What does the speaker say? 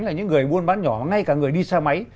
là những người buôn bán nhỏ ngay cả người đi xe máy